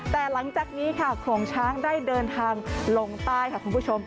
แต่หลังจากนี้ค่ะโขลงช้างได้เดินทางลงใต้ค่ะคุณผู้ชม